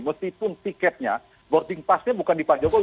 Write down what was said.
meskipun tiketnya boarding passnya bukan di pak jokowi